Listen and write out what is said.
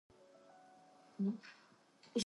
Grosseteste called this "resolution and composition".